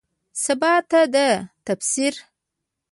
سباته ده تفسیر